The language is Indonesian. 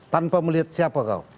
tanpa melihat siapa kau